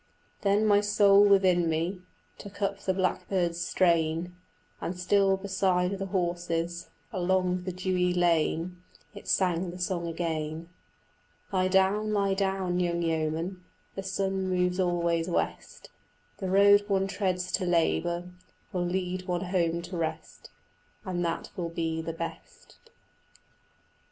Then my soul within me Took up the blackbird's strain, And still beside the horses Along the dewy lane It Sang the song again: "Lie down, lie down, young yeoman; The sun moves always west; The road one treads to labour Will lead one home to rest, And that will be the best."